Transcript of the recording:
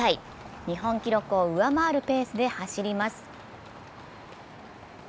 日本記録を上回るペースで走ります。